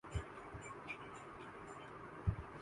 شیکھر دھون کی طیارے میں شرارتیں سوشل میڈیا پر وائرل